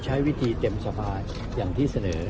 ใช้วิธีเต็มสภาอย่างที่เสนอ